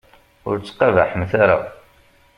Ur ttqabaḥemt ara.